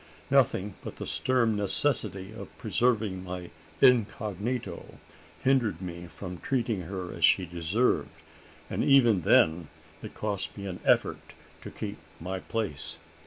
Nothing but the stern necessity of preserving my incognito hindered me from treating her as she deserved; and, even then, it cost me an effort to keep my place.